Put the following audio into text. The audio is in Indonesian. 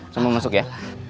semua masuk ya